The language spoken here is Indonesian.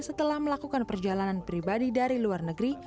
setelah melakukan perjalanan pribadi dari luar negeri